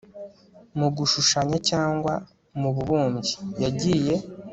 Mu gushushanya cyangwa mububumbyi yagiye